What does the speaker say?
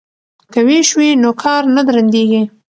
که ویش وي نو کار نه درندیږي.